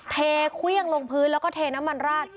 เทเครื่องลงพื้นแล้วก็เทน้ำมันราด